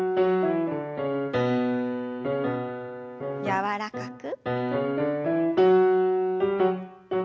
柔らかく。